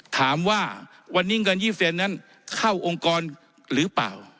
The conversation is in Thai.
ถามว่าวันนี้เงินยี่เฟนนั้นเข้าองค์กรหรือเปล่า